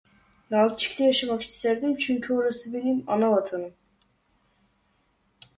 Nalçik'te yaşamak isterdim çünkü orası benim anavatanım.